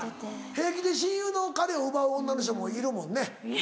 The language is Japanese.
平気で親友の彼を奪う女の人もいるもんね。